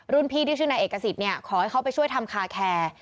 รุ่นพี่ที่ชื่อในเอกสิทธิ์เนี่ยขอให้เขาไปช่วยทำคาแคร์